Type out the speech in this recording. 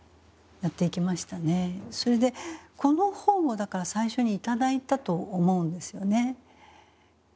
それでこの本をだから最初に頂いたと思うんですよね。